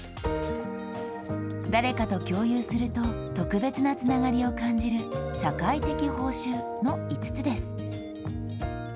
誰かと共有すると、特別なつながりを感じる社会的報酬の５つです。